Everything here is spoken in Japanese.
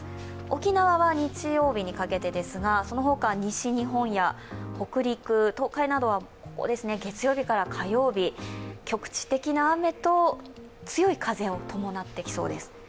沖縄は日曜日にかけてですが、そのほか西日本や北陸、東海などは月曜日から火曜日、局地的な雨と強い風を伴ってきそうです。